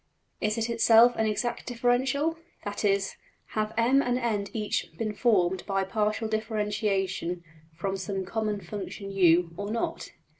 Is it itself an exact differential? That is: have $M$~and~$N$ each been formed by partial differentiation from some common function~$U$, or not?